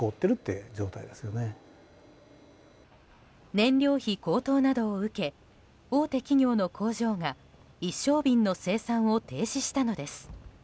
燃料費高騰などを受け大手企業の工場が一升瓶の生産を停止したのです。